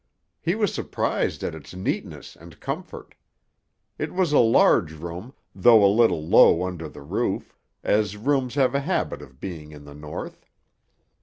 He was surprised at its neatness and comfort. It was a large room, though a little low under the roof, as rooms have a habit of being in the North.